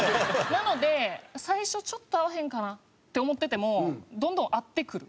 なので最初ちょっと合わへんかなって思っててもどんどん合ってくる。